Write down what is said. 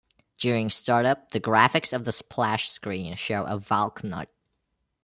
During startup, the graphics of the splash screen show a Valknut.